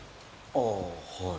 あぁはい。